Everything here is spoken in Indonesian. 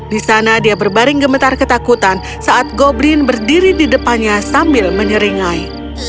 di sana dia berbaring gemetar ketakutan saat goblin berdiri di depannya sambil menyeringai